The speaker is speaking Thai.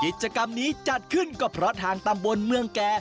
กิจกรรมนี้จัดขึ้นก็เพราะทางตำบลเมืองแก่